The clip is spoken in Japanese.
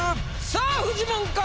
さあフジモンか？